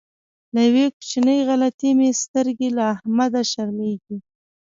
له یوې کوچنۍ غلطۍ مې سترګې له احمده شرمېږي.